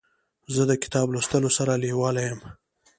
زه د کتاب لوستلو سره لیواله یم.